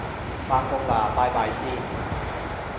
返工喇拜拜先